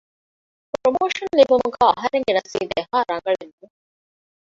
ޕްރޮމޯޝަން ލިބުމުގައި އަހަރެންގެ ނަސީބު އެހާރަނގަޅެއް ނޫން